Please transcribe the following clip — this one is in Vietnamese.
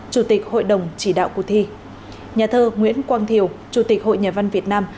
chủ tịch hội đồng chỉ đạo cuộc thi nhà thơ nguyễn quang thiều chủ tịch hội nhà văn việt nam